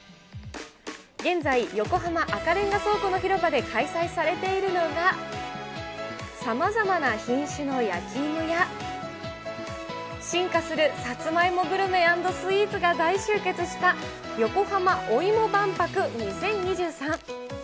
現在、横浜赤レンガ倉庫の広場で開催されているのが、さまざまな品種の焼き芋や、進化するさつまいもグルメ＆スイーツが大集結した横浜おいも万博２０２３。